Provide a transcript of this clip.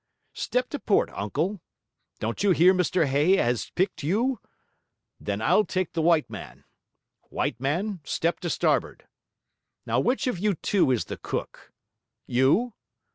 Step to port, Uncle. Don't you hear Mr Hay has picked you? Then I'll take the white man. White Man, step to starboard. Now which of you two is the cook? You?